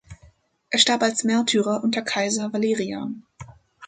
Er starb als Märtyrer unter Kaiser Valerian.